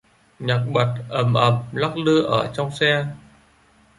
Nhạc bật ấm ầm lắc lư ở trong xe